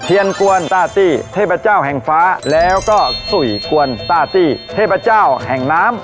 กวนตาตี้เทพเจ้าแห่งฟ้าแล้วก็สุยกวนตาตี้เทพเจ้าแห่งน้ำ